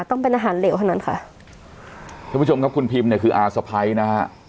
ต้องเป็นอาหารเหลวเท่านั้นค่ะทุกผู้ชมครับคุณพิมเนี่ยคืออาสะพ้ายนะฮะ